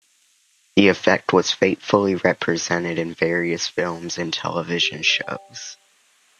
This effect was faithfully represented in various films and television shows.